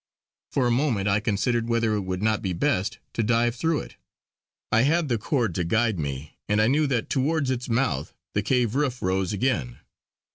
For a moment I considered whether it would not be best to dive through it. I had the cord to guide me, and I knew that towards its mouth the cave roof rose again.